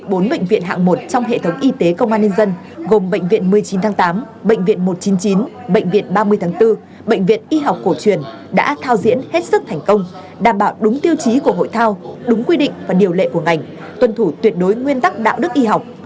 bốn bệnh viện hạng một trong hệ thống y tế công an nhân dân gồm bệnh viện một mươi chín tháng tám bệnh viện một trăm chín mươi chín bệnh viện ba mươi tháng bốn bệnh viện y học cổ truyền đã thao diễn hết sức thành công đảm bảo đúng tiêu chí của hội thao đúng quy định và điều lệ của ngành tuân thủ tuyệt đối nguyên tắc đạo đức y học